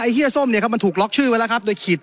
เฮียส้มเนี่ยครับมันถูกล็อกชื่อไว้แล้วครับโดยขีด